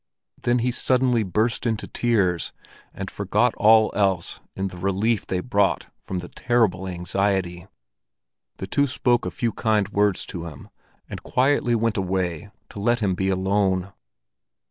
Then he suddenly burst into tears and forgot all else in the relief they brought from the terrible anxiety. The two spoke a few kind words to him, and quietly went away to let him be alone.